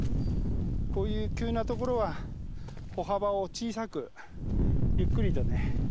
こういう急なところは歩幅を小さくゆっくりとね。